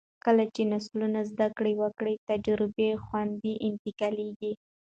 کله چې نسلونه زده کړه وکړي، تجربه خوندي انتقالېږي.